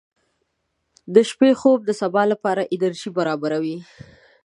• د شپې خوب د سبا لپاره انرژي برابروي.